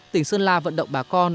tỉnh sơn la vận động bà con